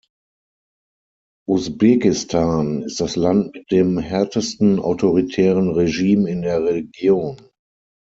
Usbekistan ist das Land mit dem härtesten autoritären Regime in der Region.